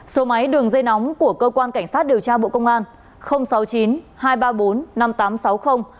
số máy đường dây nóng của cơ quan cảnh sát điều tra bộ công an sáu mươi chín hai trăm ba mươi bốn năm nghìn tám trăm sáu mươi